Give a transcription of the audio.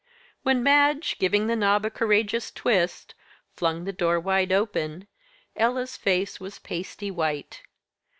When Madge, giving the knob a courageous twist, flung the door wide open, Ella's face was pasty white.